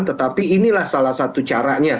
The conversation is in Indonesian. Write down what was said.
tetapi inilah salah satu caranya